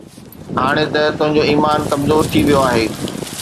هاڻي ته تنهنجو ايمان ڪمزور ٿي ويو آهي،